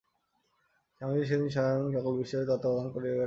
স্বামীজী সেদিন স্বয়ং সকল বিষয়ের তত্ত্বাবধান করিয়া বেড়াইতেছিলেন।